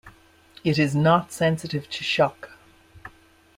It is not sensitive to shock.